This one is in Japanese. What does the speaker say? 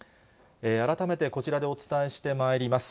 改めてこちらでお伝えしてまいります。